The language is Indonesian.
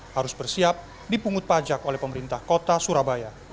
harus bersiap dipungut pajak oleh pemerintah kota surabaya